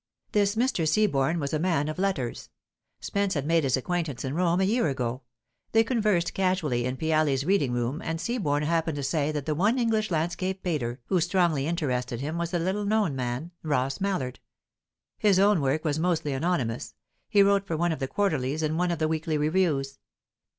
This Mr. Seaborne was a man of letters. Spence had made his acquaintance in Rome a year ago; they conversed casually in Piale's reading room, and Seaborne happened to say that the one English landscape painter who strongly interested him was a little known man, Ross Mallard. His own work was mostly anonymous; he wrote for one of the quarterlies and one of the weekly reviews.